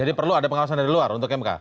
jadi perlu ada pengawasan dari luar untuk mk